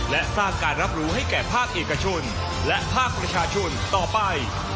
และสร้างการรับรู้ให้แก่ภาคเอกชนและภาคประชาชนต่อไป